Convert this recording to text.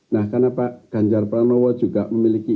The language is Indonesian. nah karena pak ganjar pranowo juga memiliki